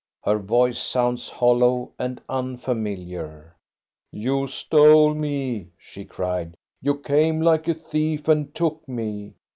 Her voice sounds hollow and unfamiliar. "You stole me," she cried. "You came like a thief and took me.